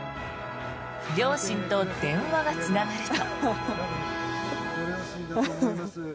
両親と電話がつながると。